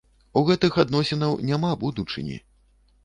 У гэтых адносінаў няма будучыні!